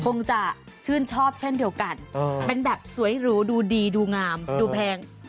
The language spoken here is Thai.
คงจะชื่นชอบเช่นเดียวกันเป็นแบบสวยหรูดูดีดูงามดูแพง